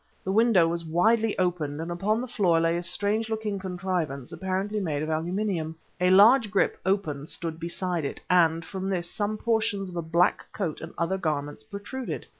The window was widely opened, and upon the floor lay a strange looking contrivance apparently made of aluminum. A large grip, open, stood beside it, and from this some portions of a black coat and other garments protruded.